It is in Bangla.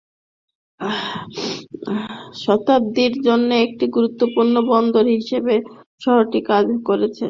শতাব্দীর জন্য একটি গুরুত্বপূর্ণ বন্দর হিসেবে শহরটি কাজ করেছে।